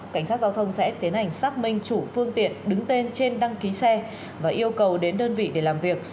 cảnh sát giao thông sẽ tiến hành xác minh chủ phương tiện đứng tên trên đăng ký xe và yêu cầu đến đơn vị để làm việc